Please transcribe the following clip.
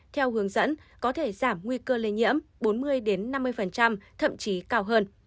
theo hướng dẫn có thể giảm nguy cơ lây nhiễm bốn mươi năm mươi thậm chí cao hơn